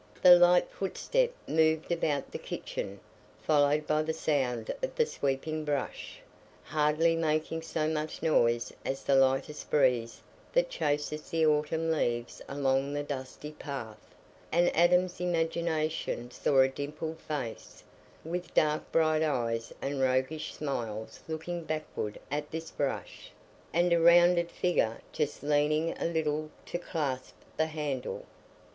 The light footstep moved about the kitchen, followed by the sound of the sweeping brush, hardly making so much noise as the lightest breeze that chases the autumn leaves along the dusty path; and Adam's imagination saw a dimpled face, with dark bright eyes and roguish smiles looking backward at this brush, and a rounded figure just leaning a little to clasp the handle.